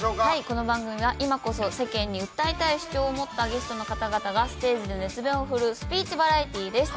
この番組は今こそ世間に訴えたい主張を持ったゲストの方々がステージで熱弁を振るうスピーチバラエティーです。